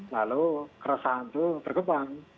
lalu keresahan itu berkembang